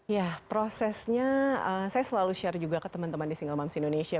ya prosesnya saya selalu share juga ke teman teman di single moms indonesia